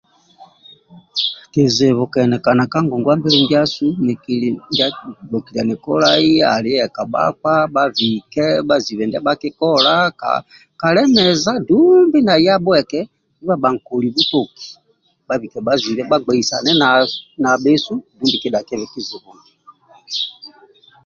Kizibu kaenikan ka ngongwa-mbili ndiasu nikili ndie kigbokiliani kolai ali eka bhakpa bhabike bhazibe ndia bhakikola, kalemeza dumbi naye abhueke ndibha bhankoli butoki bhabike bhazibe bhagbeisane nabhesu dumbi kidhakyebe kizibu injo